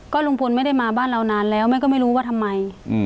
ลุงพลไม่ได้มาบ้านเรานานแล้วแม่ก็ไม่รู้ว่าทำไม